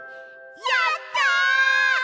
やった！